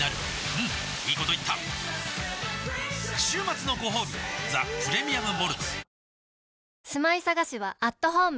うんいいこと言った週末のごほうび「ザ・プレミアム・モルツ」